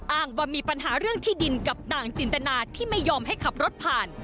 อ้างว่ามีปัญหาเรื่องที่ดินกับนางจินตนาที่ไม่ยอมให้ขับรถผ่าน